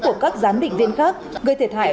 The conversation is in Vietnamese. của các giám định viên khác gây thiệt hại